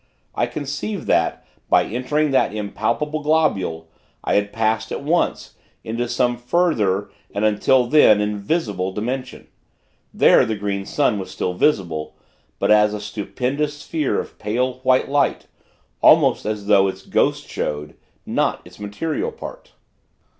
I conceived that, by entering that impalpable globule, I had passed, at once, into some further, and, until then, invisible dimension; There, the Green Sun was still visible; but as a stupendous sphere of pale, white light almost as though its ghost showed, and not its material part.